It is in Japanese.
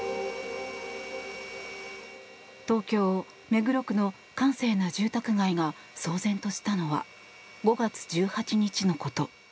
東京・目黒区の閑静な住宅街が騒然としたのは５月１８日のこと。